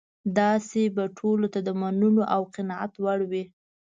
داسې به ټولو ته د منلو او قناعت وړ وي.